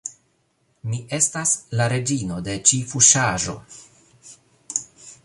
Mi estas la reĝino de ĉi fuŝaĵo